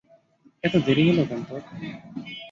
এত দেরি হল কেন তোর?